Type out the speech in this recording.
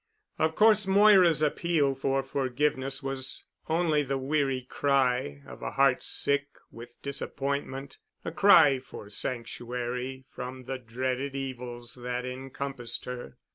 Of course Moira's appeal for forgiveness was only the weary cry of a heart sick with disappointment—a cry for sanctuary from the dreaded evils that encompassed her.